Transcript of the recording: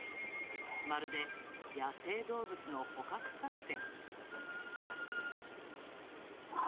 まるで野生動物の捕獲作戦。